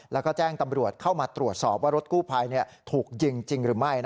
แล้วก็แจ้งตำรวจเข้ามาตรวจสอบว่ารถกู้ภัยถูกยิงจริงหรือไม่